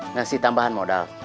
ngasih tambahan modal